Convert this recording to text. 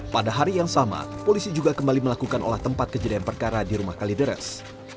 pada hari yang sama polisi juga kembali melakukan olah tempat kejadian perkara di rumah kalideres